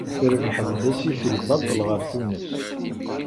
Trebḥeḍ-d assikel baṭel ɣer Tunes.